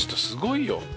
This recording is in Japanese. すごいよ。